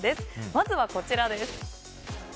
まずは、こちらです。